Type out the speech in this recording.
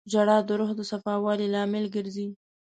• ژړا د روح د صفا والي لامل ګرځي.